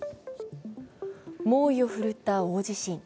猛威を振るった大地震。